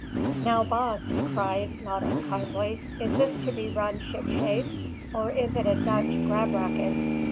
"Now, boss!" he cried, not unkindly, "is this to be run shipshape? or is it a Dutch grab racket?"